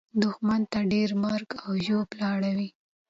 دښمن ته ډېره مرګ او ژوبله اوړي.